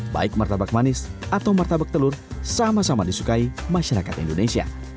baik martabak manis atau martabak telur sama sama disukai masyarakat indonesia